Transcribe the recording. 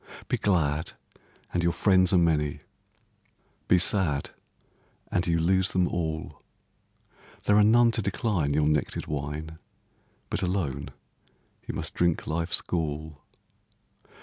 Be glad, and your friends are many; Be sad, and you lose them all; There are none to decline your nectar'd wine, But alone you must drink life's gall.